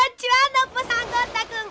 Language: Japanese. ノッポさんゴン太くん。